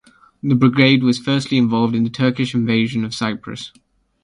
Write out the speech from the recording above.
The brigade was firstly involved in the Turkish invasion of Cyprus.